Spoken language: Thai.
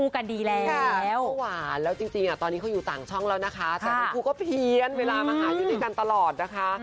ใครสายตาเพ่งพินิษฐ์แล้วนะคะ